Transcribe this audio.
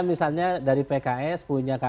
misalnya dari pks punya kang aher